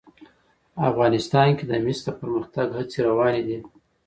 افغانستان کې د مس د پرمختګ هڅې روانې دي.